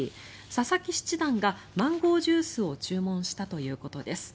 佐々木七段がマンゴージュースを注文したということです。